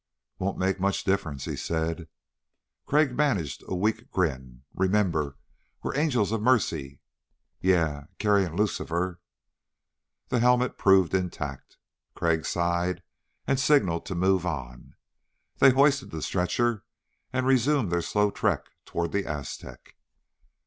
"Won't make much difference," he said. Crag managed a weak grin. "Remember, we're angels of mercy." "Yeah, carrying Lucifer." The helmet proved intact. Crag sighed and signaled to move on. They hoisted the stretcher and resumed their slow trek toward the Aztec.